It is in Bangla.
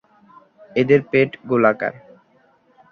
এদের পেট গোলাকার।